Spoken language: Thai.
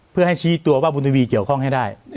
เพื่อให้ชี้ตัวว่าบุญทวีเกี่ยวข้องให้ได้